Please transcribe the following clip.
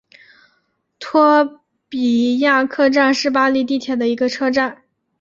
托比亚克站是巴黎地铁的一个车站。